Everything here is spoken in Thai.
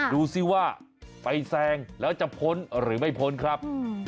ดูสิว่าไปแซงแล้วจะพ้นหรือไม่พ้นครับ